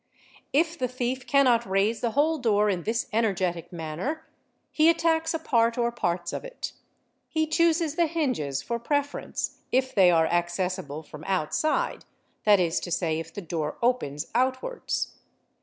If the thief cannot raise the whole door in this energetic manner he 1 attacks a part or parts of it. He chooses the hinges for i preference, if they are accessible from outside, that is to say, ~ if the door opens outwards.